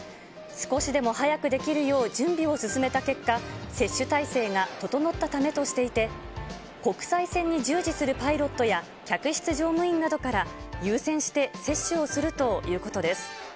少しでも早くできるよう、準備を進めた結果、接種体制が整ったためとしていて、国際線に従事するパイロットや客室乗務員などから、優先して接種をするということです。